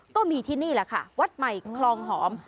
ก็มีที่นี่แหละค่ะวัดใหม่คลองหอม